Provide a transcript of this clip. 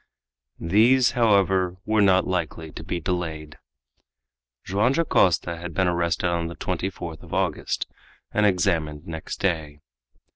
These, however, were not likely to be delayed. Joam Dacosta had been arrested on the 24th of August, and examined next day.